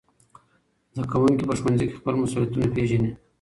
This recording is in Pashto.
زدهکوونکي په ښوونځي کي خپل مسؤلیتونه پېژني.